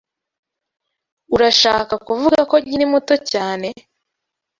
Urashaka kuvuga ko nkiri muto cyane?